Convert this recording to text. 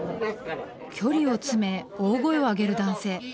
距離を詰め大声を上げる男性。